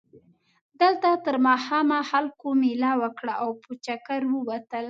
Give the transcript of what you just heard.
دلته تر ماښامه خلکو مېله وکړه او په چکر ووتل.